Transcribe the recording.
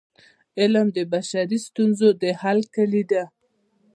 علم د بشري ستونزو د حل کيلي ده.